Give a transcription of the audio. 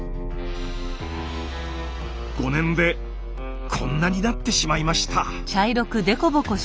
５年でこんなになってしまいました。